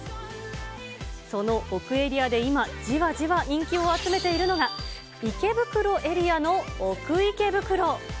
その奥エリアで今、じわじわ人気を集めているのが、池袋エリアの奥池袋。